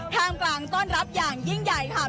กลางต้อนรับอย่างยิ่งใหญ่ค่ะ